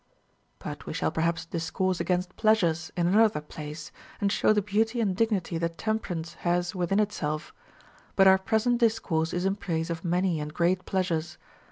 But we shall perhaps discourse against pleasures in another place, and show the beauty and dignity that tem perance has within itself ; but our present discourse is in praise of many and great pleasures.